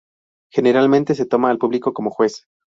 Generalmente se toma al publico como juez.